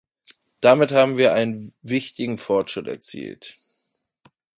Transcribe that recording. Damit haben wir einen wichtigen Fortschritt erzielt.